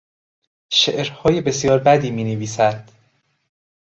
شعرهای بسیار بدی مینویسد.